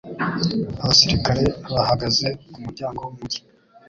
Abasirikare bahagaze ku muryango w’umujyi.